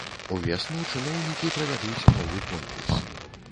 Увесну чыноўнікі правядуць новы конкурс.